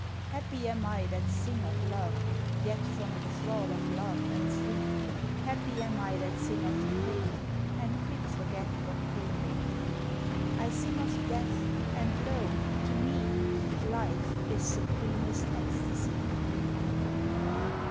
Happy am I that sing of love, Yet from the thrall of love am free; Happy am I that sing of pain And quick forget what pain may be! I sing of death and lo! To me Life is supremest ecstacy!